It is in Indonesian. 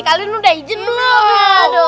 kalian udah ijen dulu